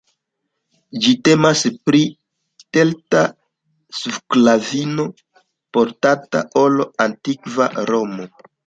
Ĝi temas pri kelta sklavino, portata al antikva Romo.